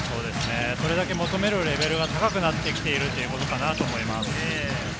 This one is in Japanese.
それだけ求めるレベルが高くなってきているということかなと思います。